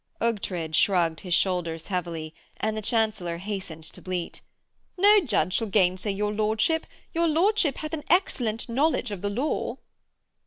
Ughtred shrugged his shoulders heavily, and the Chancellor hastened to bleat: 'No judge shall gainsay your lordship. Your lordship hath an excellent knowledge of the law.'